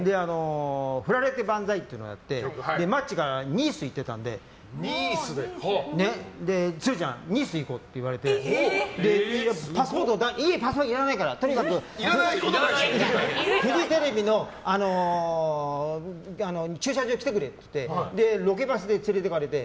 「ふられてＢＡＮＺＡＩ」っていうのがあってマッチがニース行ってたんで鶴ちゃん、ニース行こうって言われてパスポートは？って言ったらパスポートいらないからとにかくフジテレビの駐車場に来てくれってロケバスで連れていかれて。